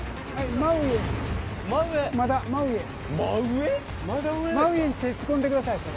真上⁉真上に手突っ込んでくださいそれ。